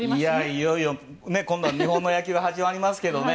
いよいよ今度は日本の野球が始まります。